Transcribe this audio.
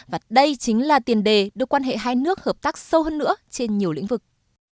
và đây chính là tiền đề đưa quan hệ hai nước hợp tác sâu hơn nữa trên nhiều lĩnh vực